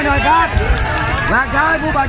สวัสดีครับ